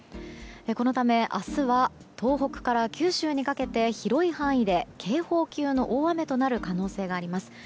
このため、明日は東北から九州にかけて広い範囲で警報級の大雨となる可能性があります。